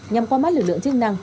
nhằm qua mắt lực lượng chức năng